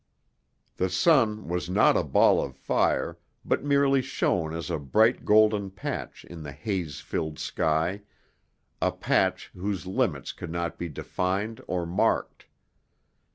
The sun was not a ball of fire, but merely shone as a bright golden patch in the haze filled sky, a patch whose limits could not be defined or marked.